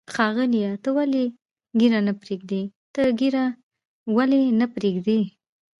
ښاغلیه، ته ولې ږیره نه پرېږدې؟ ته ږیره ولې نه پرېږدی؟